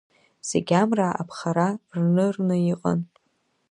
Зегь амра аԥхара рнырны иҟан.